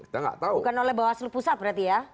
bukan oleh bawaslu pusat berarti ya